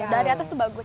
dari atas itu bagus